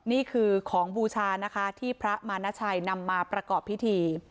นี่คือของบูชานะคะที่พระมานาชัยนำมาประกอบพิธี